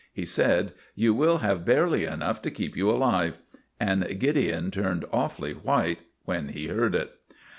He said, "You will have barely enough to keep you alive." And Gideon turned awfully white when he heard it.